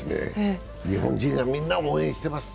日本人がみんな応援しています。